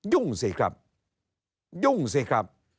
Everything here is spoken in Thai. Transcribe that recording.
สิครับยุ่งสิครับ